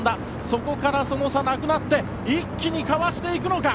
そこから、差がなくなって一気にかわしていくのか。